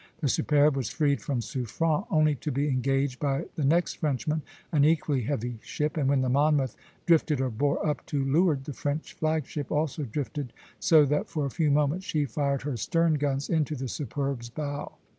The "Superbe" was freed from Suffren only to be engaged by the next Frenchman, an equally heavy ship; and when the "Monmouth" drifted or bore up, to leeward, the French flag ship also drifted so that for a few moments she fired her stern guns into the "Superbe's" bow (C, d).